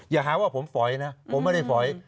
อย่าหาว่าผมฝอยนะผมไม่ได้ฝอย